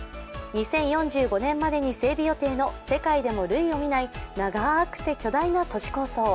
２０４５年までに整備予定の世界でも類を見ない長くて巨大な都市構想。